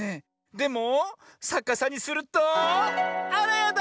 でもさかさにするとあらやだ！